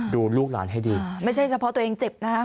ดูลูกหลานให้ดีอ่าไม่ใช่แสดงว่าตัวเองเจ็บนะฮะ